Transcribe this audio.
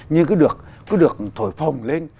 nhưng cứ được thổi phồng lên